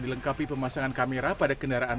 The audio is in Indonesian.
dilengkapi pemasangan kamera pada kendaraan